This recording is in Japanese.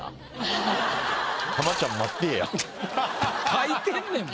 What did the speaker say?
書いてんねんもん。